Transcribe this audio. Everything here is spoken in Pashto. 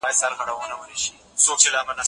څېړونکی به د ادبي متن سمه شننه وکړي.